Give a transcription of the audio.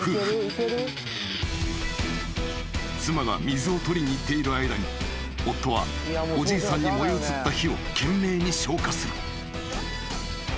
［妻が水を取りに行っている間に夫はおじいさんに燃え移った火を懸命に消火する］